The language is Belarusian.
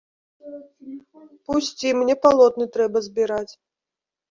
Пусці, мне палотны трэба збіраць.